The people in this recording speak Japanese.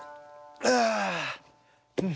ああ。